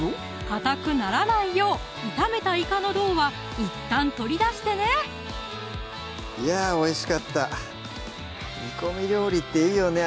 かたくならないよう炒めたいかの胴はいったん取り出してねいやおいしかった煮込み料理っていいよね